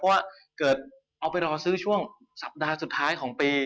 เพราะว่าเกิดเอาไปรอซื้อช่วงสัปดาห์สุดท้ายของปี